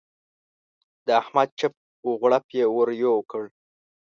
د احمد چپ و غړوپ يې ور یو کړ.